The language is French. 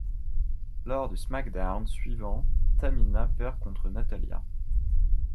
Lors du SmackDown suivant, Tamina perd contre Natalya.